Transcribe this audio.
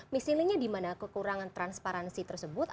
missing linknya di mana kekurangan transparansi tersebut